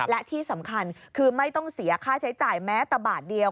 และที่สำคัญคือไม่ต้องเสียค่าใช้จ่ายแม้แต่บาทเดียว